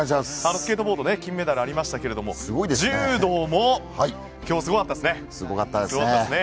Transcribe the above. スケートボード金メダルありましたけど、柔道も今日、すごかったですね。